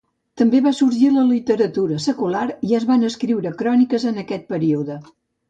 També va sorgir la literatura secular i es van escriure cròniques en aquest període.